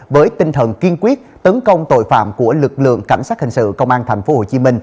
với tinh thần kiên quyết tấn công tội phạm của lực lượng cảnh sát hình sự công an tp hcm